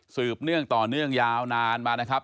เนื่องต่อเนื่องยาวนานมานะครับ